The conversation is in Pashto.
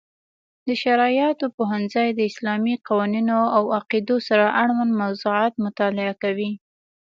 د شرعیاتو پوهنځی د اسلامي قوانینو او عقیدو سره اړوند موضوعاتو مطالعه کوي.